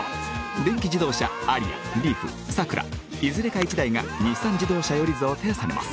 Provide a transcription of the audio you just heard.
電気自動車アリアリーフサクラいずれか１台が日産自動車より贈呈されます